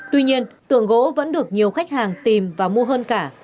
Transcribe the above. tuy nhiên tượng gỗ vẫn được nhiều khách hàng tìm và mua hơn cả